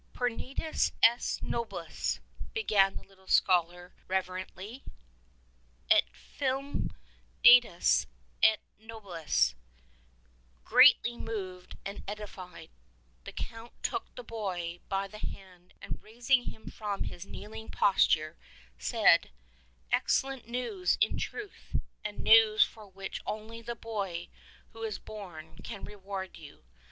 *'Puer natus est nohis^' (began the little scholar rever ently), Filius datus est nobisF Greatly moved and edified, the Count took the boy by the hand and raising him from his kneeling posture said : "Ex cellent news in truth, and news for which only the Boy who is born can reward you.